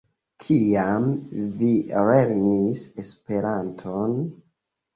Kiam vi lernis Esperanton?